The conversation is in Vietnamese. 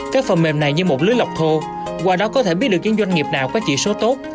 các phần mềm này như một lưới lọc thô qua đó có thể biết được những doanh nghiệp nào có chỉ số tốt